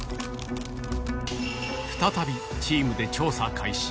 再びチームで調査開始。